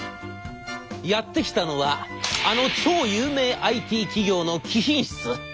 やって来たのはあの超有名ＩＴ企業の貴賓室。